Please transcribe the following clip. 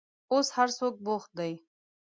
اوس هر څوک بوخت دي.